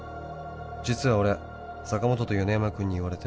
「実は俺坂本と米山君に言われて」